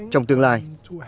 trong tương lai